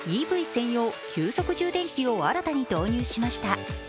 専用急速充電器を新たに導入しました。